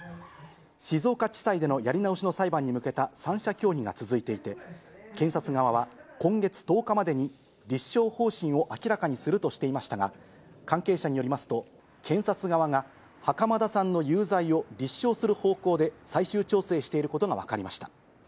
静岡地裁でのやり直しの裁判に向けた三者協議が続いていて、検察側は、今月１０日までに立証方針を明らかにするとしていましたが、関係者によりますと、検察側が袴田さんの有罪を立証する方向で最終調整していることが分かりました。